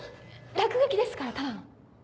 落書きですからただの。